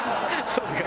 そうか。